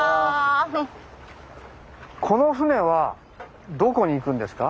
この舟はどこに行くんですか？